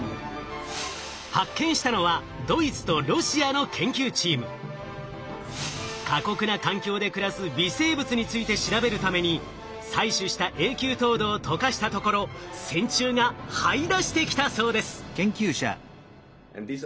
発見したのは過酷な環境で暮らす微生物について調べるために採取した永久凍土を解かしたところ線虫がはい出してきたそうです。